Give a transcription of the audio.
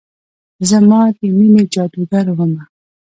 زما د میینې جادوګر وږمونه